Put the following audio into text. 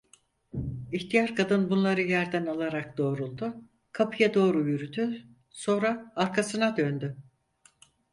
İhtiyar kadın bunları yerden alarak doğruldu, kapıya doğru yürüdü, sonra arkasına döndü.